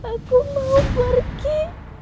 aku mau pergi